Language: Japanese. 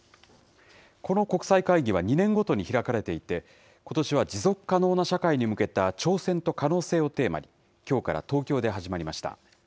この国際会議は２年ごとに開かれていて、ことしは持続可能な社会に向けた挑戦と可能性をテーマに、きょうから東京で始まりました。